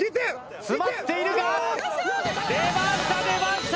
詰まっているが出ました出ました！